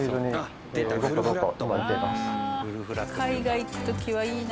海外行く時はいいな。